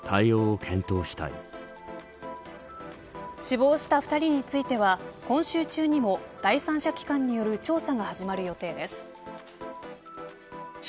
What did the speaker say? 死亡した２人については今週中にも第三者機関による調査が始まる予定です。